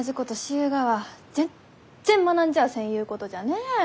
ゆうがは全然学んじゃあせんゆうことじゃねえ。